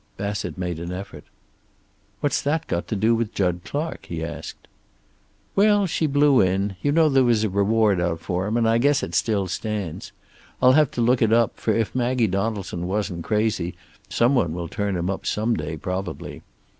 Bassett made an effort. "What's that got to do with Jud Clark?" he asked. "Well, she blew in. You know there was a reward out for him, and I guess it still stands. I'll have to look it up, for if Maggie Donaldson wasn't crazy some one will turn him up some day, probably.